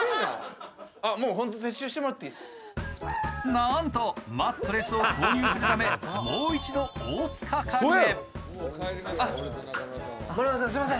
なんとマットレスを購入するためもう一度大塚家具へ。